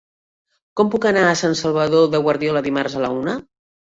Com puc anar a Sant Salvador de Guardiola dimarts a la una?